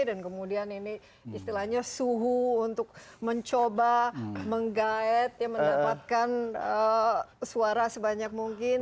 dan kemudian ini istilahnya suhu untuk mencoba menggaet mendapatkan suara sebanyak mungkin